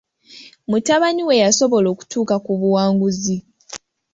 Mutabani we yasobola okutuuka ku buwanguzi.